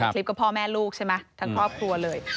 คลิปก็พ่อแม่ลูกใช่ไหมทั้งครอบครัวเลย